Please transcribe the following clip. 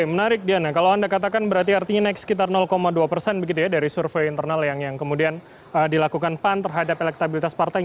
menarik diana kalau anda katakan berarti artinya naik sekitar dua persen begitu ya dari survei internal yang kemudian dilakukan pan terhadap elektabilitas partai